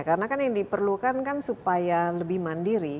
karena kan yang diperlukan kan supaya lebih mandiri